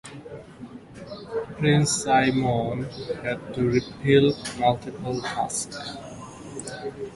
Prince Semion had to repel multiple attacks.